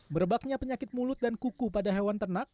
merebaknya penyakit mulut dan kuku pada hewan ternak